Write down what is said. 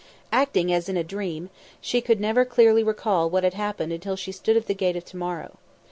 Acting as in a dream, she could never clearly recall what happened until she stood at the Gate of To morrow.